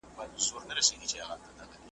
زه به دي په خیال کي زنګېدلی در روان یمه ,